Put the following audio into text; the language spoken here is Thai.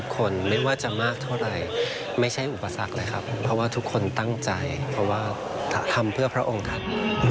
คำเบื่อพระองค์ครับ